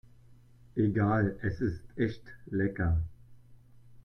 Egal, es ist echt lecker.